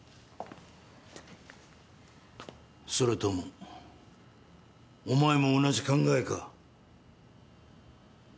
それともお前も同じ考えか？